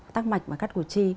tắc mạch và cắt cụt chi